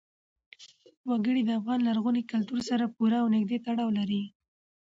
وګړي د افغان لرغوني کلتور سره پوره او نږدې تړاو لري.